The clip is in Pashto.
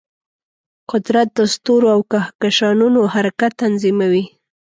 قدرت د ستورو او کهکشانونو حرکت تنظیموي.